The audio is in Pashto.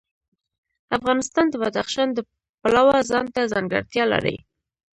افغانستان د بدخشان د پلوه ځانته ځانګړتیا لري.